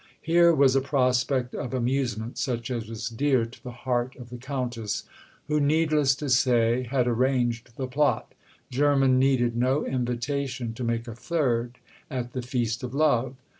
Here was a prospect of amusement such as was dear to the heart of the Countess, who, needless to say, had arranged the plot. Jermyn needed no invitation to make a third at the feast of love.